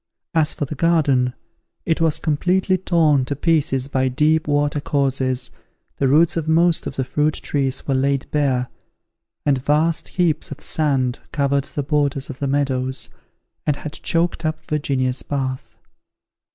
As for the garden, it was completely torn to pieces by deep water courses, the roots of most of the fruit trees were laid bare, and vast heaps of sand covered the borders of the meadows, and had choked up Virginia's bath.